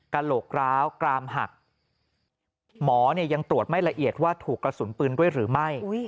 กระโหลกร้าวกรามหักหมอเนี่ยยังตรวจไม่ละเอียดว่าถูกกระสุนปืนด้วยหรือไม่